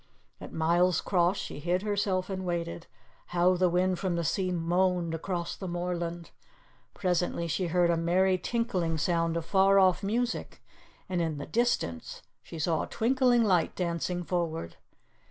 At Milescross she hid herself and waited. How the wind from the sea moaned across the moorland! Presently she heard a merry tinkling sound of far off music, and in the distance she saw a twinkling light dancing forward.